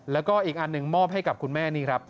แล้วก็อีกอันหนึ่งมอบให้กับคุณแม่นี่ครับ